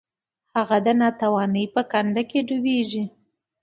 هغه د ناتوانۍ په کنده کې ډوبیږي.